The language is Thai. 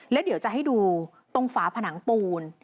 แล้วเดี๋ยวจะให้ดูตรงฝาผนังปูน